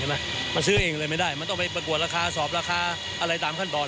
มันซื้อเองเลยไม่ได้มันต้องไปประกวดราคาสอบราคาอะไรตามขั้นตอน